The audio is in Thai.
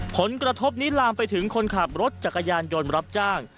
ผลกระทบนี้ลามไปถึงคนขับรถจักรยานยนต์รับจ้าง